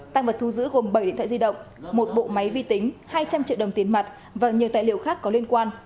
tăng vật thu giữ gồm bảy điện thoại di động một bộ máy vi tính hai trăm linh triệu đồng tiền mặt và nhiều tài liệu khác có liên quan